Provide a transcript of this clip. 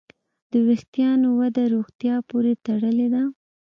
د وېښتیانو وده روغتیا پورې تړلې ده.